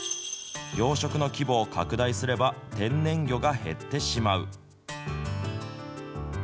養殖の規模を拡大すれば、天然魚が減ってしまう。